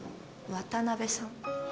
渡辺さん？